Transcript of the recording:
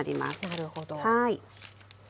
なるほど。